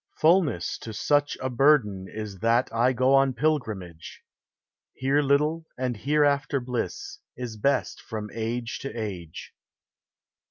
Fulness to such a burden is That go on pilgrimage ; LABOR AXD REST. 119 Here little, and hereafter bliss, Is best from age to age.